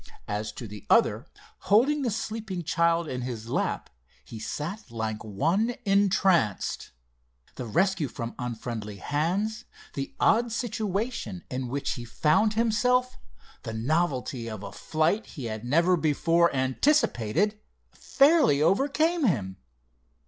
As to the other, holding the sleeping child in his lap, he sat like one entranced. The rescue from unfriendly hands, the odd situation in which he found himself, the novelty of a flight he had never before anticipated, fairly overcame him.